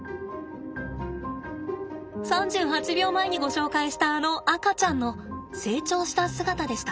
３８秒前にご紹介したあの赤ちゃんの成長した姿でした。